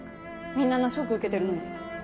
みんなあんなショック受けてるのに。